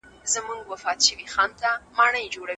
ښوونکی د زدهکوونکو پوښتنو ته درناوی کوي.